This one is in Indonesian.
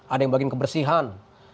ada yang bagi kebersihan